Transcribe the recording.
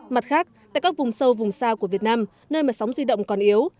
mặt khác tại các vùng sâu vùng xa của việt nam nơi mà sóng di động còn yếu